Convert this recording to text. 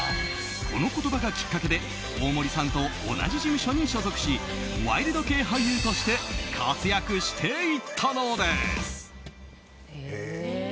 この言葉がきっかけで大森さんと同じ事務所に所属しワイルド系俳優として活躍していったのです。